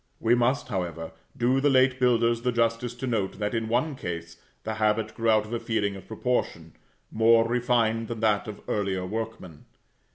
We must, however, do the late builders the justice to note that, in one case, the habit grew out of a feeling of proportion, more refined than that of earlier workmen.